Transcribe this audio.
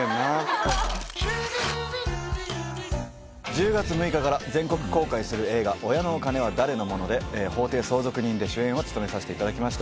１０月６日から全国公開する映画「親のお金は誰のもの法定相続人」で主演を務めさせていただきました